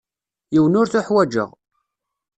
Yiwen ur t-uḥwaǧeɣ.